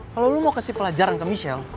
kalau lo mau kasih pelajaran ke michelle